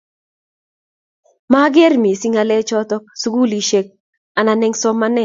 mageer missing ngalechoto sugulishek an aeng eng somanet